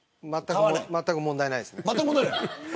まったく問題ないです。